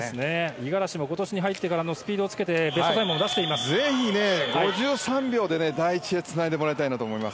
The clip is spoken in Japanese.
五十嵐も今年に入ってからスピードをつけてぜひ５３秒で第１でつないでもらいたいと思います。